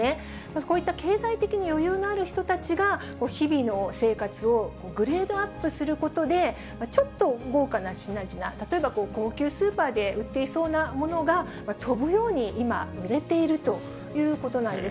こういった経済的に余裕のある人たちが、日々の生活をグレードアップすることで、ちょっと豪華な品々、例えば高級スーパーで売っていそうなものが、飛ぶように今、売れているということなんです。